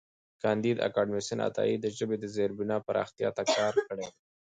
کانديد اکاډميسن عطايي د ژبې د زېربنا پراختیا ته کار کړی دی.